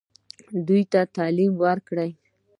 دوی ته تعلیم ورکړئ